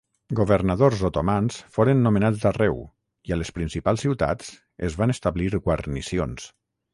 Governadors otomans foren nomenats arreu i a les principals ciutats es van establir guarnicions.